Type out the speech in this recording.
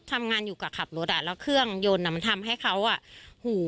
ทำงานอยู่กับขับรถอ่ะแล้วเครื่องยนต์มันทำให้เขาหู